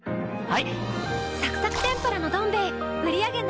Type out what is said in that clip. はい。